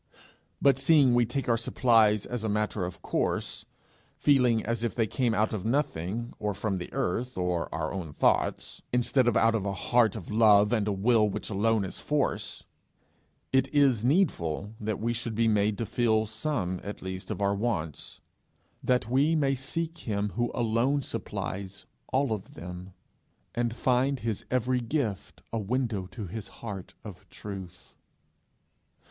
But seeing we take our supplies as a matter of course, feeling as if they came out of nothing, or from the earth, or our own thoughts, instead of out of a heart of love and a will which alone is force, it is needful that we should be made feel some at least of our wants, that we may seek him who alone supplies all of them, and find his every gift a window to his heart of truth.